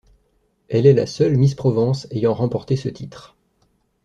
Elle est la seule Miss Provence ayant remporté ce titre.